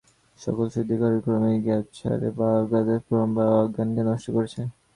সকল শুদ্ধিকর কর্মই জ্ঞাতসারে বা অজ্ঞাতসারে ভ্রম বা অজ্ঞানকে নষ্ট করছে।